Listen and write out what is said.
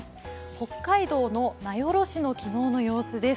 北海道の名寄市の昨日の様子です。